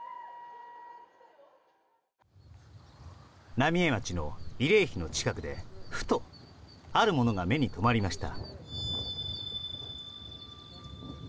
浪江町の慰霊碑の近くでふと、あるものが目に留まりました。